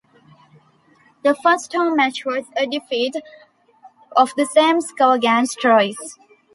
The first home match was a defeat of the same score against Troyes.